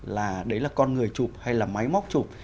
là đấy là con người chụp hay là máy móc chụp